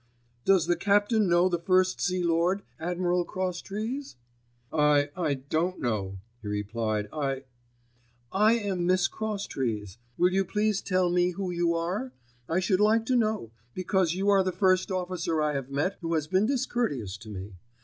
"Does the captain know the First Sea Lord, Admiral Crosstrees?" "I—I don't know," he replied, "I——" "I am Miss Crosstrees. Will you please tell me who you are. I should like to know, because you are the first officer I have met who has been discourteous to me.